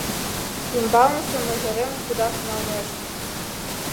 Ӱмбалнысе мыжерем кудаш налнешт.